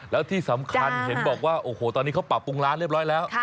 แล้วที่สำคัญเห็นบอกว่าโอ้โหตอนนี้เขาปรับปรุงร้านเรียบร้อยแล้ว